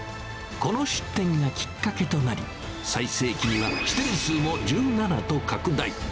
この出店がきっかけとなり、最盛期には支店数を１７と拡大。